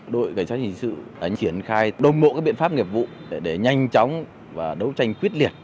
đội cảnh sát hình sự triển khai đồng bộ các biện pháp nghiệp vụ để nhanh chóng và đấu tranh quyết liệt